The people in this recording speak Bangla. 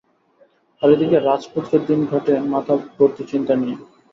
আর এদিকে রাজপুত্রের দিন কাটে, মাথা ভর্তি চিন্তা নিয়ে।